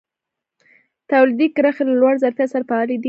تولیدي کرښې له لوړ ظرفیت سره فعالې دي.